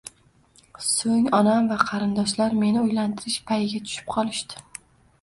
So`ng onam va qarindoshlar meni uylantirish payiga tushib qolishdi